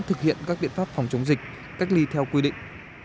thực hiện các biện pháp phòng chống dịch cách ly theo quy định